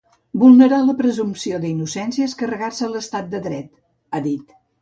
Vulnerar la presumpció d’innocència és carregar-se l’estat de dret, ha dit.